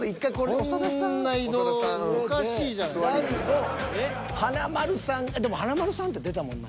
大悟華丸さんでも華丸さんって出たもんな